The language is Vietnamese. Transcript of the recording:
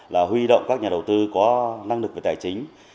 là huy động các nhà đầu tư có năng lực về tài chính